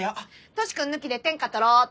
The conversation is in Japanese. トシ君抜きで天下取ろっと。